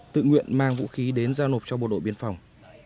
tự nguyện mang vũ khí đến giao nộp cho bộ đội biên phòng